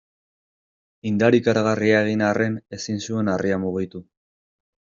Indar ikaragarria egin arren ezin zuen harria mugitu.